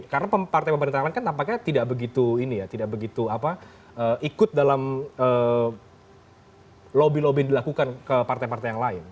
karena partai pemerintahan kan tampaknya tidak begitu ikut dalam lobby lobby dilakukan ke partai partai yang lain